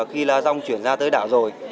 khi lá rong chuyển ra tới đảo rồi